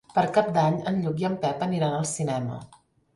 Per Cap d'Any en Lluc i en Pep aniran al cinema.